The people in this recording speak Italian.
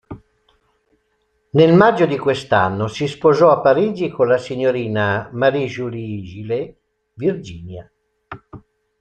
Nel maggio di quell'anno si sposò a Parigi con la signorina Marie-Julie Gillet Virginia.